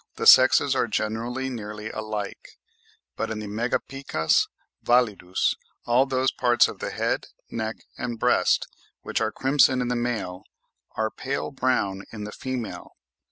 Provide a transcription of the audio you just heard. the sexes are generally nearly alike, but in the Megapicus validus all those parts of the head, neck, and breast, which are crimson in the male are pale brown in the female.